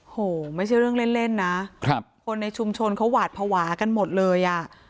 โหไม่ใช่เรื่องเล่นนะครับคนในชุมชนเขาหวาดภาวะกันหมดเลยอ่ะ